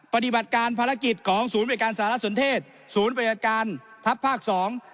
ปฏิบัติการภารกิจของศูนย์พยการสหรัฐสมเทศศูนย์พยการภาพภาคสอง